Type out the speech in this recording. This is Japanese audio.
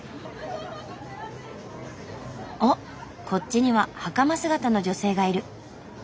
おっこっちにははかま姿の女性がいる。